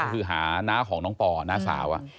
ก็คือหาน้าของน้องปอน้าสาว